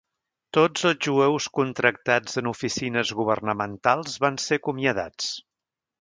Tots els jueus contractats en oficines governamentals van ser acomiadats.